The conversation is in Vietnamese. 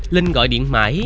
linh gọi điện mãi